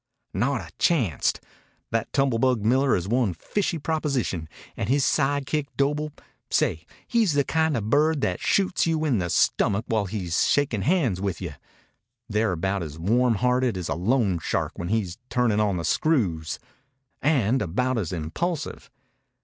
"Not a chanct. That tumblebug Miller is one fishy proposition, and his sidekick Doble say, he's the kind of bird that shoots you in the stomach while he's shakin' hands with you. They're about as warm hearted as a loan shark when he's turnin' on the screws and about as impulsive.